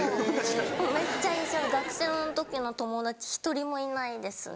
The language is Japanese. めっちゃ一緒学生の時の友達１人もいないですね。